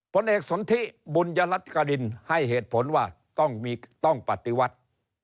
ผลเอกสนทิบุญยรัฐกรินให้เหตุผลว่าต้องปฏิวัติ